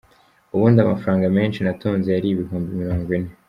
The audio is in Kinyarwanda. Ubundi amafaranga menshi natunze yari ibihumbi mirongo ine.